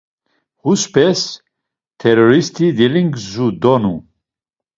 Huspes terorist̆i delingzu donu.